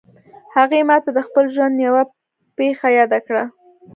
هغې ما ته د خپل ژوند یوه پېښه یاده کړه